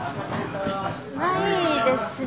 ないですね。